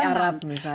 dari arab misalnya